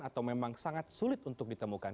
atau memang sangat sulit untuk ditemukan